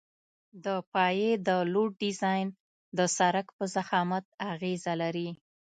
د پایې د لوډ ډیزاین د سرک په ضخامت اغیزه لري